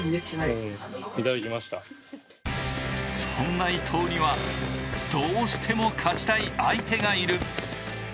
そんな伊藤には、どうしても勝ちたい相手がいる。